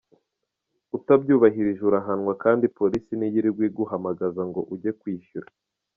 Utabyubahirije urahanwa, kandi Polisi ntiyirirwa iguhamagaza ngo ujye kwishyura.